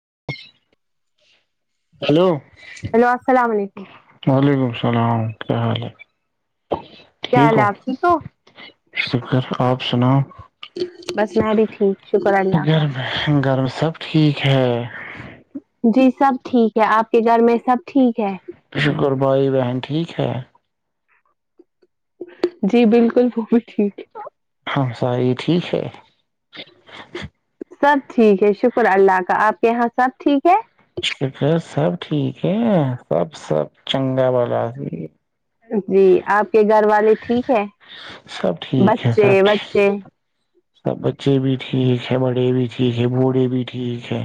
جچ [unintelligible] ہیلو [unintelligible] ا [inaudible] وعلیکم السلام کیا حال ہے کیا ٹھیک حال ہے ہو آپ ٹھیک فکر آپ سنا بس میں بھی ٹھیک شکر اللہ کا گرم گرم سب ٹھیک ہاں جی سب ٹھیک ہے آپ کے گھر میں سب ٹھیک ہے شکر بھائی بہن ٹھیک ہے جی بالکل وہ ٹھیک ہے ہاں ساری ٹھیک ہے سب ٹھیک ہے شکر اللہ کا آپ کے یہاں سب ٹھیک ہے سب ٹھیک ہے سب سب چنگا والا س جی آپ کے گھر والے ٹھیک ہے سب ٹھیک ہے بچے سب ٹھیک بچے سب بچے بھی ٹھیک ہے بڑے بھی ٹھیک ہے بوڑھے بھی ٹھیک ہے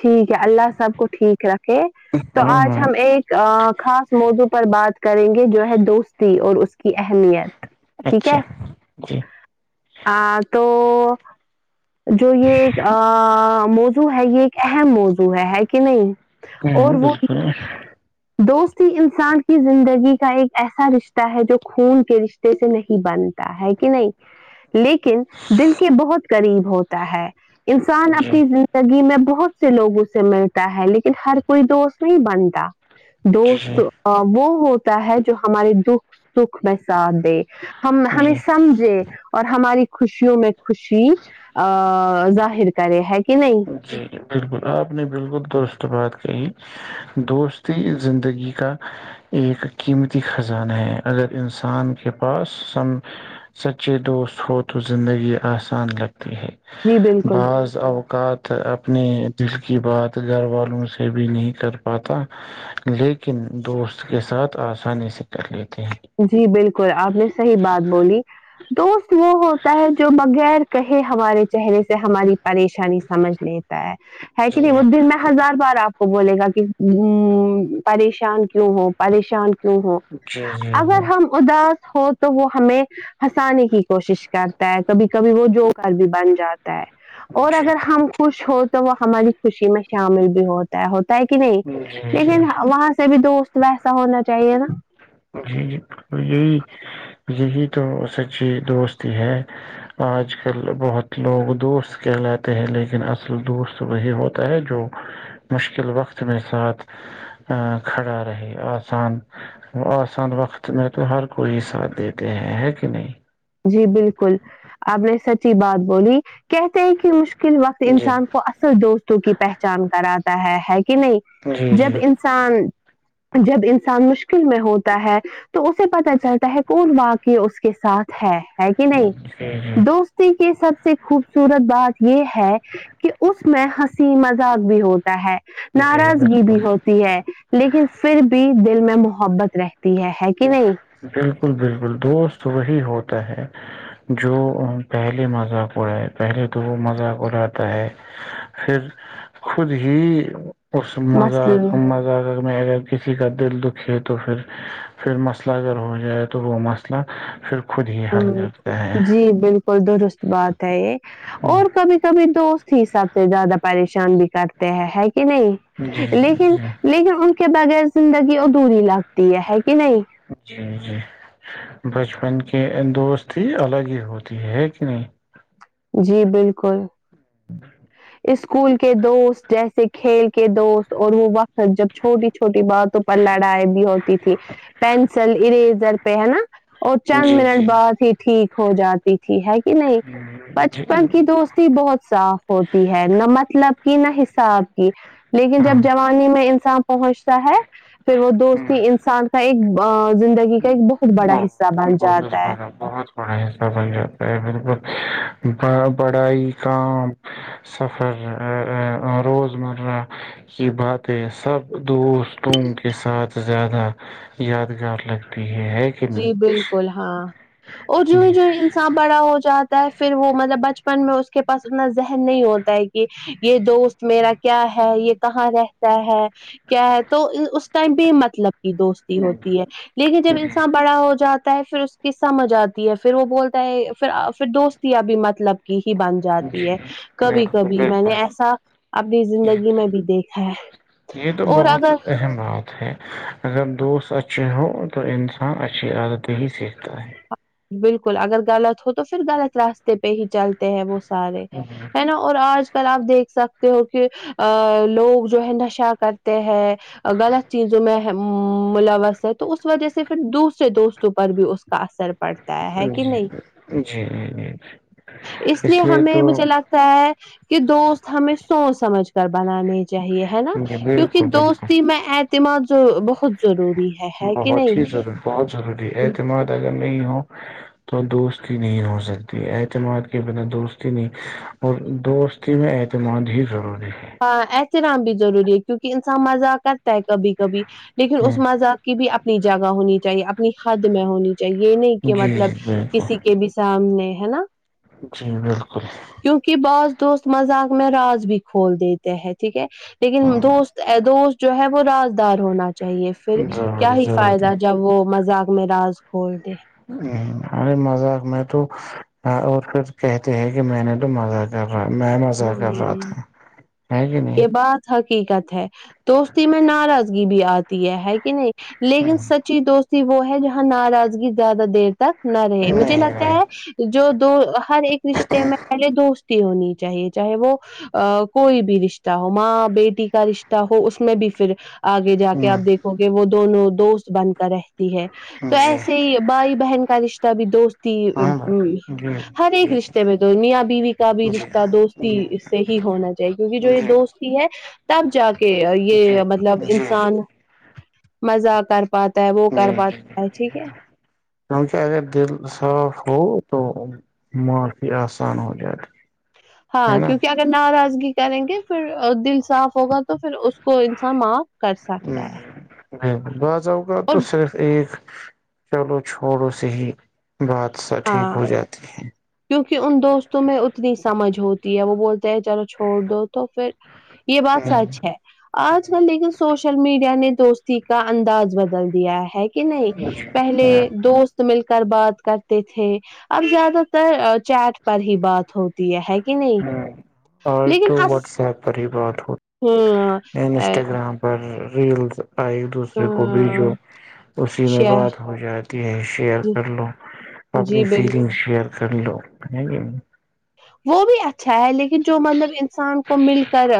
ٹھیک ہے اللہ سب کو ٹھیک رکھ تو ہاں آج ہاں ہم ایک خاص موضوع پر بات کریں گے جو ہے دوستی اور اس کی اہمیت ٹھیک ہے اچھا جی ہاں تو جو یہ موضو ہے یہ اہم موضوع ہے ہے کہ نہیں ہاں اور وہ بالکل دوستی انسان کی زندگی کا ایک ایسا رشتہ ہے جو خون کے رشتے سے نہیں بنتی ہے کہ نہیں لیکن دل کے بہت قریب ہوتے تا ہے انسان جی اپنی زندگی میں بہت سے لوگوں سے ملتا ہے لیکن ہر کوئی دوست نہیں بنتا جی جی دوست وہ ہو تا ہے جو ہمارے دکھ سکھ میں ساتھ دے ہم ہمیں جی سمجھے اور ہماری خوشیوں میں خوشی ا ظاہر ر ہے کہ نہیں جی بالکل آپ نے بالکل درست بات کہی دوستی زندگی کا ایک قیمتی خزانہ ہے اگر انسان کے پاس س سچے دوست ہو تو زندگی آسان لگ جی بالکل بض آ ساتھ اپنے دل کی بات گھر والوں سے بھی نہیں کر پاتا لیکن دوست کے ساتھ آسانی سے کر لیتے ہیں جی بالکل آپ نے صحیح بات بولی دوست وہ ہوتا ہے جو بغیر کہے ہمارے چہرے سے ہماری پریشانی سمجھ لیتا ہے ہے کہ جی نہیں وہ دن میں ہزار بار آپ کو بولے گا کہ پریشان کیوں ہو پریشان کیوں ہو؟ اچھا جی اگر ہم اداس ہو تو وہ ہمیں ہنسانے کی کوشش کرتا ہے کبھی کبھی وہ جوک بھی بن جاتا اور جی اگر ہم خوش ہو تو وہ ہماری خوشی میں شامل بھی ہوتا ہے ہے کہ نہیں جی لیکن وہاں سے بھی دوست تو ویسا ہونا چاہیے نا جی یہی یہی تو سچی دوست ہی ہے آج کل بہت لوگ دوست کہلاتے ہیں لیکن اصل دوست وہی ہوتا ہے جو مشکل وقت میں ساتھ کھڑا رہے آسان وہ آسان وقت میں تو ہر کوئی ساتھ دیتے ہیں ہے کہ نہیں جی بالکل آپ نے سچی بات بولی کہتے ہیں کہ مشکل ک وقت جی انسان کو اصل دوستوں کی پہچان کرات ہے ہے کہ نہیں جی جب جی انسان جب انسان مشکل میں ہوتا ہے تو اسے پتا چلتا ہے کون واقع اس کے ساتھ ہاں ہے کہ نہیں جی جی دوستی سب سے خوبصورت بات یہ ہے کہ اس میں ہنسی مذاق بھی ہوتا ہے جی ناراضگی بالکل بھی ہوتی ہے لیکن پھر بھی دیک میں محبت رہتی ہے، ہے کہ نہیں؟ بالکل بالکل دوست وہی ہوتا ہے جو پہلے مذاق اڑاائے پہلے تو وہ مذاق اڑاتا ہے پھر خود ہی اس مثلا مزہ مزہ میں کسی کا دل دکھے تو پھر پھر مسئلہ اگر ہو جائے تو وہ مسئلہ پھر خود ہی ہ حل کرتا ہے جی بالکل درست بات ہے یہ اور کبھی کبھی دوست ہی سب سے زیادہ پریشان بھی کرتے ہیں نہیں جی لیکن جی لیکن ان کے بغیر زندگی ادھی لگتی ہے کہ نہیں جی جی بچپن کے دوست ہی الگ ہی ہوتی ہے ہے کہ نہیں جی بالکل ہ اسکول کے دوست جیسے کھیل کے دوست اور وہ وہ جب چھوٹی چھوٹی باتوں پر لڑائی بھی ہوتی تھی پینسل اریز پہ ہے نا اور چند جی جی منٹ بعد ہی ٹھیک ہو جاتی تھی ہے کہ کہ نہیں بچپن جی کی دوستی بہت صاف ہوتی ہے نہ مطلب نب کی نہ حساب لیکن جب ہاں جوانی میں انصاف اہش ہے پھر وہ دوستی انسان کا ایک ب ب ب جاتا ہے۔ بہت بڑا حصہ بن جاتا ہے بکل بڑائی کام سفر روزمرہ کی باتیں سب دوستوں کے ساتھ زیادہ یادگار لگ جی بالکل ہاں اور جو ہی جی جو انسان بڑا ہو جا ہے پھر وہ مطلب بچپن میں اس کے پاس اتنا ذہن نہیں ہوتا ہے کہ یہ دوست میرا کیا ہے یہ کہاں رہتا ہے کیا ہے تو اس ٹائم بھی مطلب دوستی ہوتی ہے لیکن جی جب کڑا ہو جاتا ہے پھر اس کی سمجھ آتی ہے پھر وہ بولتا ہے پھر پھر دوستیاں بھی مطلب ہی بن جی جاتی ہے کبھی بالکل کبھی میں بالکل نے ایسا اپنی یہ زندگی میں بھی دیکھا ہے یہ تو اور بہت اگر اہم بات ہے اگر دوست اچھے ہو تو انسان اچھی عادتیں ہی سیکھتا ہے بالکل اگر غلط ہو تو پھر غلط راستے پہ ہی چلتے ہیں وہ سارے ہے نا اور آج کل آپ دیکھ سکتے ہو کہ ا لوگ جو ہے نشا کرتے ہیں غلط چیز جو میں ملوث ہے تو اس وجہ سے پھر دوسرے دوستوں پر بھی اس کا اثر پڑتا ہے کہ جی نہیں جی جی جی۔ اس لیے ہمیں مجھے لگتا ہے کہ دوست ہمیں سوچ سمجھ کر بنانے چاہیے ہے نا جی کیونکہ بالکل بالکل دوستی میں ما بہت ضرور بہت ہی ضروری بہت ضروری ہے اعتماد اگر ہو تو دوستی نہیں ہو سکتی اعتماد کے بنا دوستی نہیں اور دوستی میں اعتماد ہی ضروری ہے ہاں احترام بھی ضروری ہے کیونکہ انسان مزہ کرتا ہے کبھی کبھی لیکن ہوں، اس مذاق کی بھی اپ اپنی جگہ ہونی چاہیے اپنی حد میں ہونی اہ یہ نہیں کہ جی مطلب جی بالکل کسی کے بھی سامنے ہے نا جی بالکل کیونکہ باس دوست مذاق میں راج بھییکھوں [unintelligible] کھول دیتے ہیں ٹھیک ہے لیکن ہوں، دوست دوست جو ہے وہ رادار ہونا چاہیے پھر کیا ضروری ہی ضروری فائدہ جب وہ مذاق میں راج کھول د ہ ارے مذاق میں تو اور پھر کہتے ہیں کہ میں نے تو مذاق کر میں مزہ کر رہا ہوں تھا ہے کہ نہیں کیقت ہے [unintelligible] دوستی میں نارا [unintelligible] بھی آتی ہے کہ نہیں [unintelligible] لیکن ہوں، سچی دوست وہ ہے جہاں ناراضگی زیادہ دیر تک نہ رہے نہیں مجھے نہیں لگتا ہوں، ہے جو تو ہر ایک رشتے میں پہلے دوستی ہونی تھی چاہیے چاہے وہ کوئی بھی رشتہ ہو ماں بیٹی کا رشتہ ہو اس میں بھی پھر آگے جا کے آپ دیکھو گے وہ دونوں دوست بن کرے ہے تو جی ایسے ہی بھائی بہن کا رشتہ بھی دوست ہاں جی ہر ایک جی رشتے میں دنیا بیوی کا بھی رشہ جی ہاں جی دوستی سے ہی ہونا چاہیے کیونکہ جو یہ جی دوستی ہے تب جا کے جی یہ مطلب جی انسان مزہ کرتا کیونکہ اگر دل صاف ہو تو معافی آسان ہو جائے گی ہاں کیونکہ اگر ناراضگی کریں گے پھر دن صاف ہوگا تو پھر اس کو انسان معاف کر سکتا ہے ہاں بہت مذوق اور تو صرف ایک چلو چھوڑو صی ہاں کیونکہ ان دوستوں میں اتنی سمجھ ہوتی آب بول ہے چلو چھوڑ دو تو پھر یہ بات سچ ہے آج کل لیکن سوشل میڈیا نے دوستی کا انداز بدل دیا ہے کہ نہیں پہلے دوست مل کر کر بعات کرتے تھے اب زیادہ تر چیٹ پر ہی بات ہوتی دیا ہے کہ نہیں آج لیکن تو اس واٹس ایپ پر ہی بات ہو ہ ا انسٹاگررام پر ریلز اور ایک ہ دوسرے کو بھی جو اسی ش میں بات ہو جاتی ہے شیئر کر لو اپنی جی فیلنگ بالکل شیئر کر لو [inaudible] وہ بھی اچھا ہے لیکن جو مطلب ان کسان کو مل کر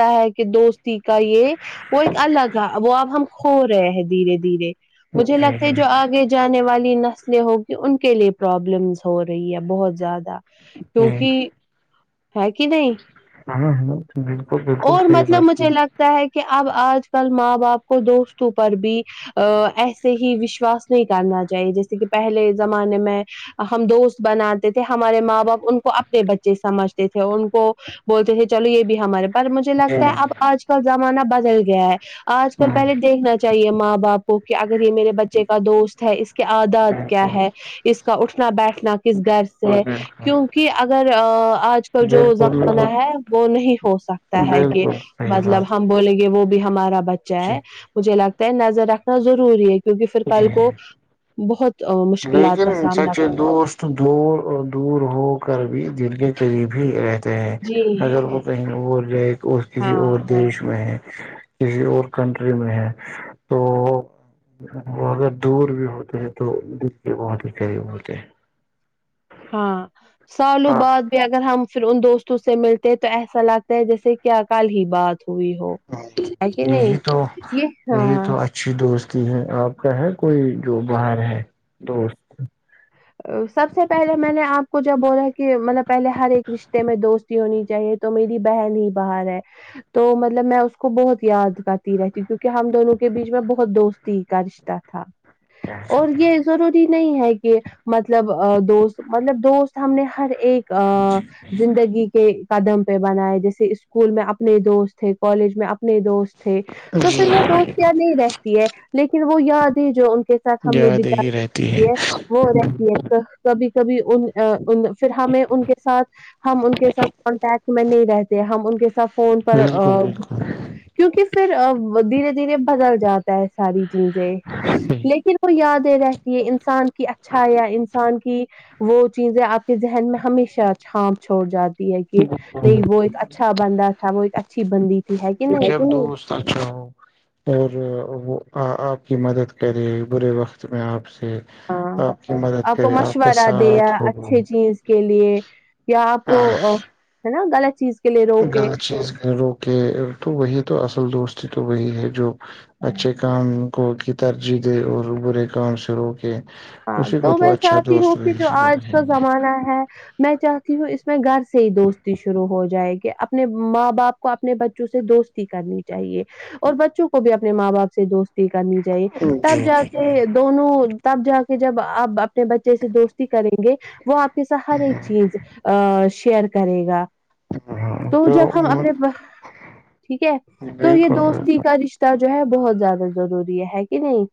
ہے کہ دوست کا یہ وہ ایک الگ ہے وہ اب ہم کھو رہے ہیں دھیرے دھیرے مجھے جی لگتا ہے جی جو آگے جانے والی نسلیں ہوگی ان کے لیے پرابلمس ہو رہی ہے بہت زیادہ جی کیونکہ ہے کہ نہیں ہاں ہاں بالکل بالکل اور صحیح مطلب بات مجھے ہے لگتا ہے کہ اب آج کل ماں باپ کو دوستوں پر بھی ا ایسے ہی وشواس نہیں کرنا چاہیے جیسے کہ پہلے زمانے میں ہم دوست بناتے تھے ہمارے ماں باپ ان کو اپنے بچے سمجھتے تھے اور ان کو بولتے تھے چلو یہ بھی ہمارے مجھے لگتا ہے اب جی آج کل زمانہ بجل گیا ہے آج کل ہاں پہلے دیکھنا چاہیے ماں باپ کہ اگر یہ میرے بچے کا دوست ہے اس کے آدات کیا بالکل ہے اس کا اٹھنا بیٹھنا کس گر سے ہے بالکل کیوں کہ اگر آج کل جو بالکل زمانہ بالکل ہے وہ نہیں ہو سکتا ہے کہ بالکل صحیح مطلب بات ہم بولیں گے وہ بھی ہمارا بچہ جی ہے مجھے لگتا ہے نظر رکھ روری ہے کیونکہ پھر کل کو بہت مشکلات لیکن کا سامنا سچے دوست دور ہو کر بھی دن کے قریب ہی رہ جی اگر وہ کہیں اور جائے تو اور کسی ہاں اور دیش میں ہے کسی اور کنٹری میں ہے تو وہ اگر دور بھی ہوتے ہیں تو د کے بہت ہی قریب ہوتے ہیں ہاں سالوں ہاں بعد بھی اگر ہم پھر ان دوستوں سے ملتے ہیں تو ایسا لگتا ہے جیسے کیا کال ہی بات ہوئی ہو ہے کہ یہی نہیں تو یہ نہیںی ہاں تو اچھی دوست ہے آپ کا ہے کوئی جو باہر ہے دوست سب سے پہلے میں نے آپ کو جب بو رہا ہے کہ مطلب پہلے ہر ایک رشتے میں دوستی ہونی چاہیے تو میری بہن ہی باہر ہے تو مطلب میں اس کو بہت یاد کرتی رہتی ہ کیونکہ ہم دونوں کے بیچ میں بہت دوستی کا رشتہ تھا اور یہ ضروری نہیں ہےگ مطلب دوست مطلب دوست ہم نے ہر ایک ا زندگی کے قدم پہ بنائے جیسے اسکول میں اپنے دوست تھے کالج میں اپنے دوست تھے تو جی پھر وہ دوست کیا نہیں رہتی ہے لیکن وہ یاد ہے جو ان کے ساتھ ہم نے یاد بتا ہی رہتی ہے وہ رہ ایک کبھی [inaudible] پھر ہمیں ان کے ساتھ ہم ان کے ساتھ کانٹیکٹ میں نہیں رہتے ہم ان کے ساتھ فون پر بالکل بالکل کیونکہ پھر دھیرے دھیرے بدل جا تاہے ساری چیزیں صحیح۔ لیکن وہ یادیں رہتی ہے انسان کی اچھا انسان کی وہ چیزیں آپ کے ذہن میں ہمیشہ چھانپ چھوڑ جا ہے کہ نہیں وہ ایک اچھا بندہ تھا وہ اچا اچھی بند اب دوست اچھا ہو اور وہ آ آپ کی مدد کرے برے وقت میں آپ سے ہاں آپ کی مدد آپ کو کرے کے مشورہ دیا ساتھ ہو اچھھی چیز کے لیے یا آپ کو ہے نا غط چیز کے لیے روکے غلط چیز رو کے تو وہی تو اصل دوست تو وہی ہے جو اچھے کام کو کی ترجیح دے اور برے کام شروع کے ہاں تو میں چاہتی ہوں کہ جو سے وہ آج کا کہیں زمانہ ہے میں چاہتی ہوں اس میں گھر سے سے ہی دوستی شروع ہو جائے گی اپنے ماں باپ کو اپنے بچوں سے دوستی کرنی چاہیے اور بچوں کو بھی اپنے ماں باپ سے دوستی کرنی چاہیے گے تب جی جا جی کے دونوں تب جا کے کہ جب آپ اپنے بچے سے دوستی کریں گے وہ آپ کے سا ہر ایک چیز ا شیئر کرے گا تو جب ہم اپنے ٹھیک ہے بالکل تو یہ دوستی بالکل کا رشتہ جو ہے بہت زیادہ ضروری ہے کہ نہیں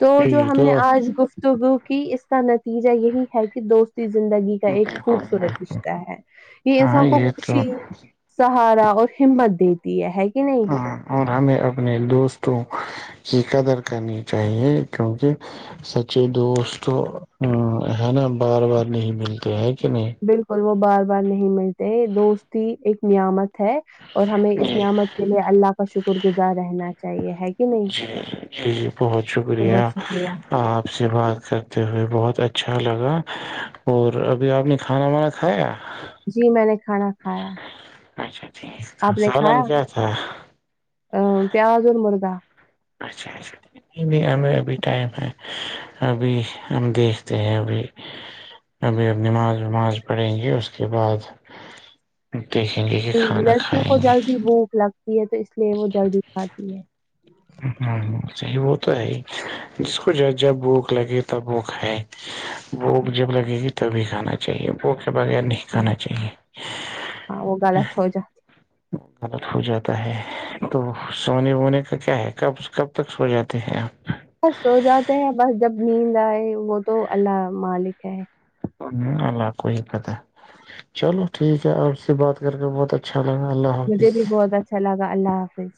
تو جو یہ ہم نے تو آج گفت کیک اس کا نتیجہ یہی ہے کہ دوست زندگی کا ایک بالکل بالکل، خوبصورت رشتہ ہے یہ ہاں ایسا کو تو خوشی سہارا اور ہمت دیتی ہے ہے کہ نہیں ہاں ہمیں اپنے دوستوں کی قدر کرنی چاہیے کیونکہ سچے دوست ہے نا بار بار نہیں ملتے ہیں کہ نہیں بالکل ب بار بار نہیں ملتے دوستی ایک نعمت ہے اور ہمیں اس نعمت کے لیے اللہ کا شکر گزار رہنا چاہیے ہے کہ نہیں جی جی بہت شکریہ بہت شکریہ آپ سے بات کرتے ہوئے بہت اچھا لگا اور ابھی آپ نے کھانا وانا کھایا جی میں نے کھانا کھایا اچھا آپ نے سالن کھایا کیا تھا ا پیاز اور مرگا اچھا اچھا ٹھیک۔ نہیں ہمیں ابھی ٹائم ہے ابھی ہم دیکھتے ہیں ابھی ابھی اب نماز وماز پڑھیں گے اس کے بعد دیکھیں گے کہ کھانا لڑکیوں کھائیں کو گے جلدی بھوک لگتی تو اس لیے وہ جلدی کھاتی ہے ہ ہ صحی وہ تو ہے ہی جس کو ج جب بھوک لگے تب بک ہے وہ جب لگے گی ت بھیھی کھانا چاہیے وہ بغیر نہیں کھانا ہاں وہ چاہیے غلط ہو جاتا غلط ہو جاتا ہے تو سونے وونے کا کیا ہے کب کب تک سو جاتے ہیں آپ بس سو جاتے ہیں بس جب نیند آئے وہ تو اللہ مالک ہے ہ اللہ کوئی حقت ہے چلو ٹھیک ہے اور سے بات کر کے بہت اچھا لگا اللہ مجھے حافظ بھی بہت اچھا لگا اللہ حافظ